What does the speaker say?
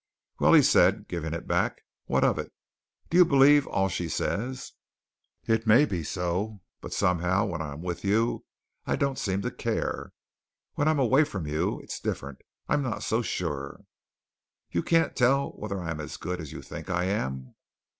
"Well," he said, giving it back, "what of it? Do you believe all she says?" "It may be so, but somehow when I am with you I don't seem to care. When I am away from you, it's different. I'm not so sure." "You can't tell whether I am as good as you think I am?"